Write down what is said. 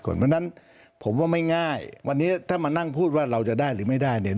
เพราะฉะนั้นผมว่าไม่ง่ายวันนี้ถ้ามานั่งพูดว่าเราจะได้หรือไม่ได้เนี่ย